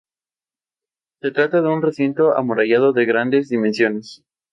Se trata de un recinto amurallado de grandes dimensiones.